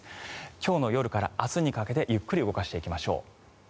今日の夜から明日にかけてゆっくり動かしていきましょう。